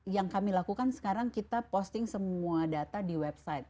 yang kami lakukan sekarang kita posting semua data di website